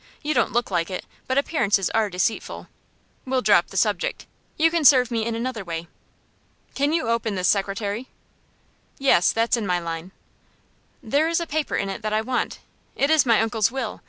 "You don't look like it, but appearances are deceitful. We'll drop the subject. You can serve me in another way. Can you open this secretary?" "Yes; that's in my line." "There is a paper in it that I want. It is my uncle's will.